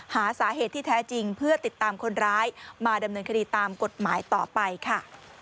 หาสาเหตุที่แท้จริงเพื่อติดตามคนร้ายมาดำเนินคดีตามกฎหมายต่อไปค่ะ